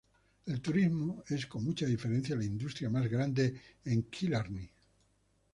El turismo es, con mucha diferencia, la industria más grande en Killarney.